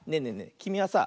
きみはさ